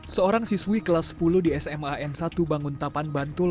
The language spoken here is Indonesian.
seorang siswi kelas sepuluh di sma n satu banguntapan bantul